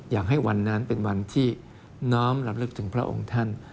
อยากให้วันนั้นเป็นวันที่น้อมรำลึกถึงพระองค์ท่าน